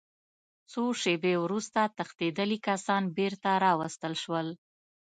څو شېبې وروسته تښتېدلي کسان بېرته راوستل شول